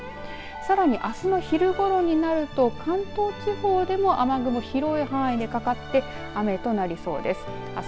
さらに、あすの昼ごろになると関東地方でも雨雲広い範囲でかかって雨となりそうです。